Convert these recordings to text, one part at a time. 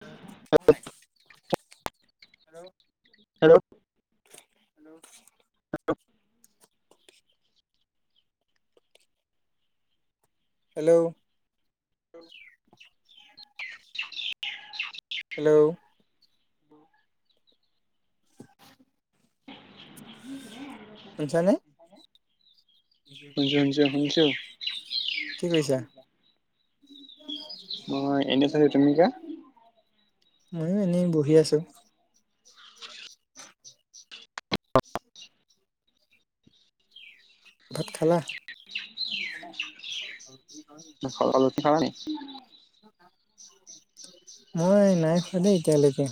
[unintelligible] Hello. Hello hello. Hello. [unintelligible] Hello. [unintelligible] শুনিছানে? শুনিছো, শুনিছো, কি কৰিছা শুনিছো। মই এনে [unintelligible] ময়ো এনেই বহি আছো। [inaudible] ভাত খালা? আলোচনা খালা নি [unintelligible] মই নাই খোৱা দেই, এতিয়ালৈকে।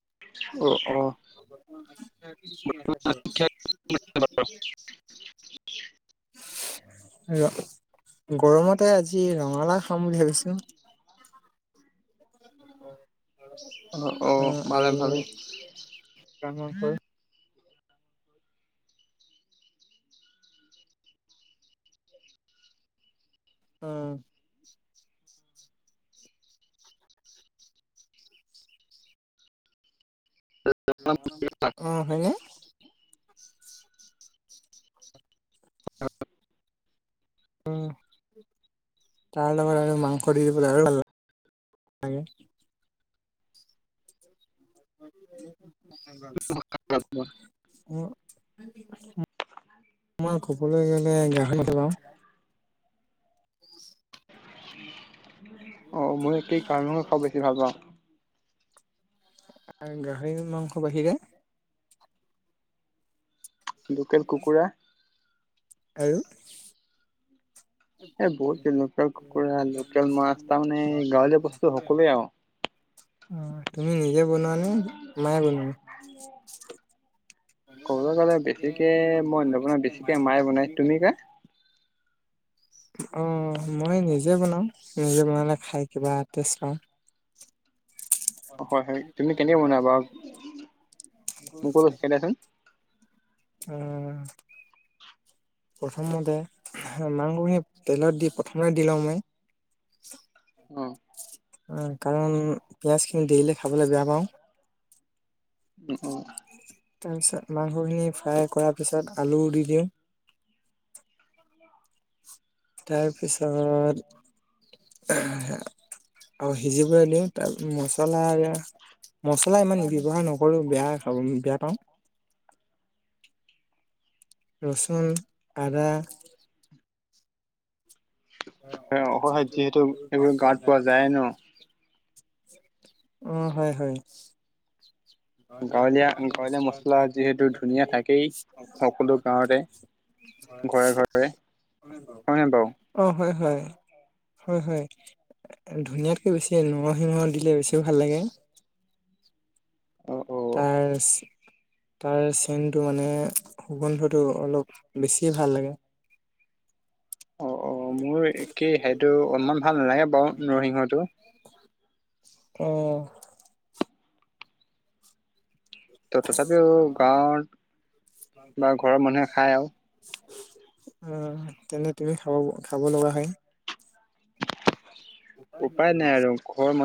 [inaudible] [unintelligible] [inaudible] গৰমতে আজি ৰঙলাউ খাম বুলি ভাবিছিলো। অ অ অ'হ ভালে ভালে আৰু কাণ বন্ধ কৰো। উ'ম। অ'হ হয়েনে? উম' তাৰ লগত আৰু মাংস দিলে আৰু ভাল লা [unintelligible] কোৱা? মই সকলোৱে গলে [inaudible] অ', মই এই কাৰণতে খাব বেছি ভাল পাওঁ। গাহৰি মাংস বাহিৰে। লোকেল কুকুৰা। [inaudible] আৰু এই বহুত লোকেল কুকুৰা লোকেল মাছ তাৰমানে গাঁৱলীয়া বস্তু সকলোৱে আৰু অ', তুমি নিজে বনোৱানে মায়ে বনাই? ক'বলৈ গ'লে, বেছিকে মই নবনাই, বেছিকে মায়ে বনাইছ তুমি কা। অ', মই নিজে বনাও নিজে বনালে খাই কিবা টেষ্ট লওঁ। হয়, হয় তুমি কেনেকৈ বনোৱা বাৰু মোকো অলপ শিকাই দিয়াচোন। উ'ম। প্ৰথমতে মাংসখিনি তেলত দি প্ৰথমে দি লওঁ মই। অ'। কাৰণ পিঁয়াজখিনি দি দিলে খাবলৈ বেয়া পাওঁ। উ'ম, অ'। তাৰপিছত মাংসখিনি ফ্ৰাই কৰাৰ পিছত আলুও দি দিওঁ। তাৰপিছত সিজিবলৈ দিওঁ তাৰপিছত মচলা আৰু এয়া। মছলা ইমান ব্যৱহাৰ নকৰো বেয়া খাব বেয়া পাওঁ। [unintelligible] ৰচোন, আদা। অ', যিহেতু এইবোৰ গাৱত পোৱা যায় ন। অ', হয়, হয়। অ', দিয়া, দিয়া মছলা যিহেতু ধনীয়া থাকেই সকলো গাৱতে। ঘৰে ঘৰে হয়নে বাৰু অ', হয়, হয়। হয়, হয় ধনীয়াতকৈ বেছি নৰসিংহ দিলে বেছিও ভাল লাগে। [unintelligible] অ তাৰ তাৰ চেনটো মানে সুগন্ধটো অলপ বেছিয়ে ভাল লাগে। [unintelligible] অ', অ', মোৰ একেই হেইটো অলমান ভাল নালাগে বাৰু নৰসিংহটো। অ'। ত তথাপিও [unintelligible] গাঁৱত বা ঘৰৰ মানুহে খাই আৰু উ'ম, তেনে তুমি খাব খাব লগা হয়? উপায় নাই আৰু ঘৰ মান